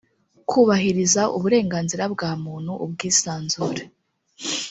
kubahiriza uburenganzira bwa muntu ubwisanzure